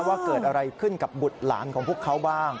ว่าเกิดอะไรขึ้นกับบุตรหลานของพวกเขาบ้าง